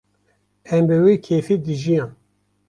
Em bi wê kêfê dijiyan